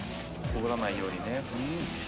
通らないようにね。